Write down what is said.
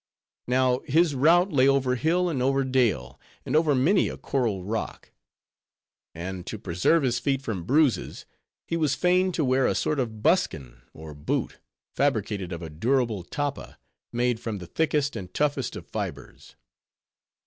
Now, his route lay over hill and over dale, and over many a coral rock; and to preserve his feet from bruises, he was fain to wear a sort of buskin, or boot, fabricated of a durable tappa, made from the thickest and toughest of fibers.